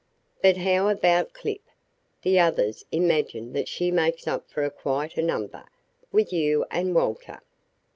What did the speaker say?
"But how about Clip? The others imagine that she makes up for quite a number with you and Walter."